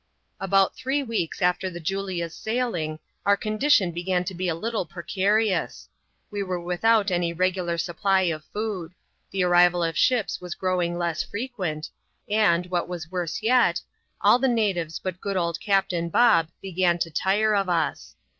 About three weeks after the Julia's sailing, our condition ' hegsn to be a little precarious. We were without any regular supply of food ; the ai'rival of ships was growing less frequent ; and, what was worse yet, all the natives but good old Captain Bob began to tire of us.